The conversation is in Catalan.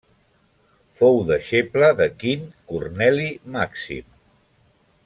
Fou deixeble de Quint Corneli Màxim.